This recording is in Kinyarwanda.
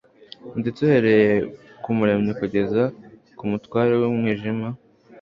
ndetse uhereye ku Muremyi kugeza ku mutware w'umwijima,